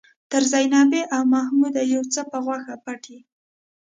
تر زينبې او محموده يو څه په غوښه پټ يې.